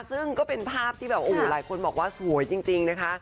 ซึ่งเป็นภาพที่ก็แหลงมีคนบอกว่าสวยจริงนะคะ